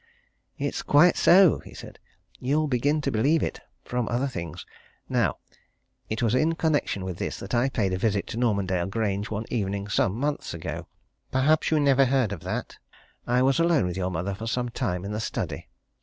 "It's quite so!" he said. "You'll begin to believe it from other things. Now, it was in connection with this that I paid a visit to Normandale Grange one evening some months ago. Perhaps you never heard of that? I was alone with your mother for some time in the study."